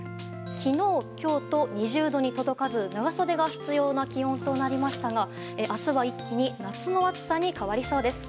昨日、今日と２０度に届かず長袖が必要な気温となりましたが明日は、一気に夏の暑さに変わりそうです。